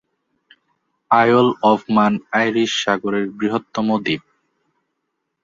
আইল of Man Irish সাগরের বৃহত্তম দ্বীপ।